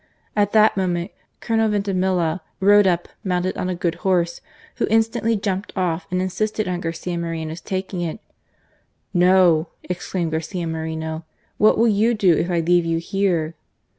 At that moment Colonel Vintimilla rode up mounted on a good horse, who instantly jumped off" and insisted on Garcia Moreno's taking it. " No !" exclaimed Garcia Moreno. " What will you do if I leave you here?"